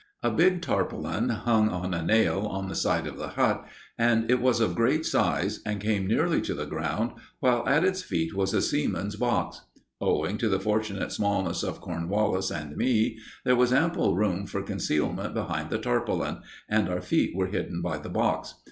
A big tarpaulin hung on a nail on the side of the hut, and it was of great size, and came nearly to the ground, while at its feet was a seaman's box. Owing to the fortunate smallness of Cornwallis and me, there was ample room for concealment behind the tarpaulin, and our feet were hidden by the box.